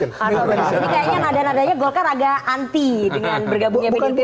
ini kayaknya nada nadanya golkar agak anti dengan bergabungnya pdip